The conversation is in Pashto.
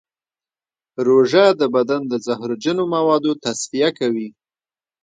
روژه د بدن د زهرجنو موادو تصفیه کوي.